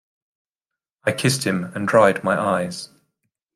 I kissed him and dried my eyes.